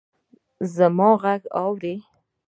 زما ږغ اورې!